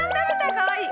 かわいい。